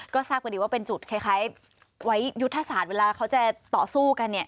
ก็ทราบพอดีว่าเป็นจุดคล้ายไว้ยุทธศาสตร์เวลาเขาจะต่อสู้กันเนี่ย